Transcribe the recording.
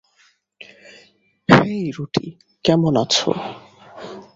হেই, Ruthie, কেমন আছো?